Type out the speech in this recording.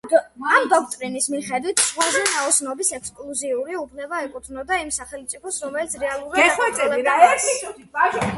ამ დოქტრინის მიხედვით ზღვაზე ნაოსნობის ექსკლუზიური უფლება ეკუთვნოდა იმ სახელმწიფოს, რომელიც რეალურად აკონტროლებდა მას.